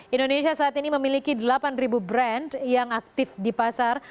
indonesia saat ini memiliki delapan brand yang aktif di pasar